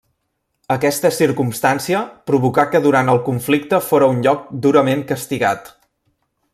Aquesta circumstància provocà que durant el conflicte fóra un lloc durament castigat.